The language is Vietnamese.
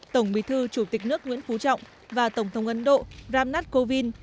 tổng bí thư chủ tịch nước nguyễn phú trọng và tổng thống ấn độ ram nath kovind